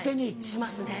しますね。